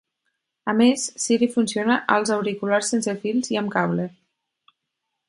A més, Siri funciona als auriculars sense fils i amb cable.